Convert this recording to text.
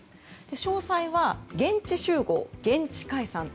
詳細は、現地集合・現地解散。